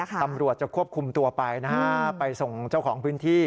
ตำรวจจะควบคุมตัวไปนะฮะไปส่งเจ้าของพื้นที่